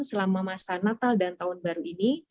selama masa natal dan tahun baru ini